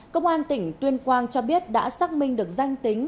công an tỉnh tuyên quang cho biết đã xác minh được danh tính